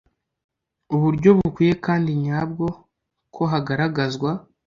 uburyo bukwiye kandi nyabwo ko hagaragazwa